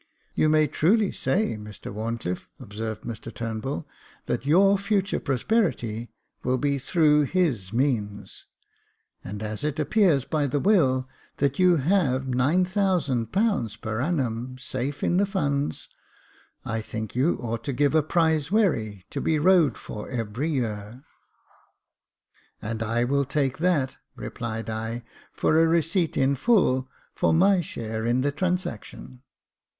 " You may truly say, Mr WharnclifFe," observed Mr Turnbull, that your future prosperity will be through his means ; and, as it appears by the will that you have jT^ooo per annum safe in the Funds, I think you ought to give a prize wherry, to be rowed for every year." J.F. Y ^^S Jacob Faithful " And I will take that," replied I, " for a receipt in full for my share in the transaction."